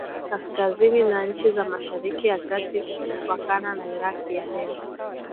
Afrika Kaskazini na nchi za Mashariki ya Kati kupakana na Iraki ya leo